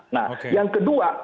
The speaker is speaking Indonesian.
nah yang kedua